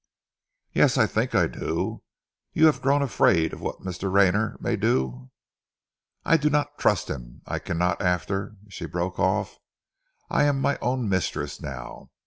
"Yes, I think I do! You have grown afraid of what Mr. Rayner may do." "I do not trust him. I cannot after " She broke off. "I am my own mistress now.